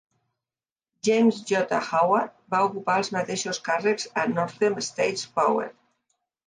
James J. Howard va ocupar els mateixos càrrecs a Northern States Power.